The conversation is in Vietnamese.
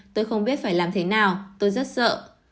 tôi không biết phải làm thế nào tôi rất sợ